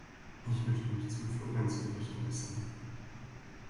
Ich möchte mich zum Florenz-Bericht äußern.